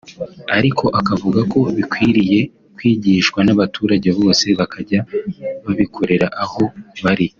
ariko akavuga ko bikwiriye kwigishwa n’abaturage bose bakajya babikorera aho bari